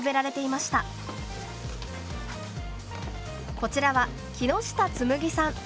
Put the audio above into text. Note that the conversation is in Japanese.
こちらは木下紬さん。